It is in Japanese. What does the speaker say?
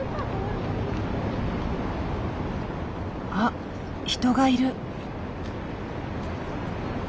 あっ人がいる。